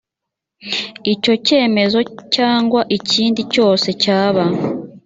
icyo cyemezo cyangwa ikindi cyose cyaba